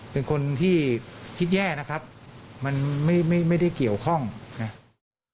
เป็นคนที่คิดแย่นะครับมันไม่ได้เกี่ยวข้องนะครับ